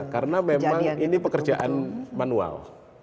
karena memang ini pekerjaan manual